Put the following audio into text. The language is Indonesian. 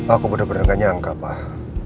aku bener bener gak nyangka pak